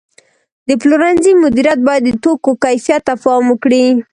د پلورنځي مدیریت باید د توکو کیفیت ته پام وکړي.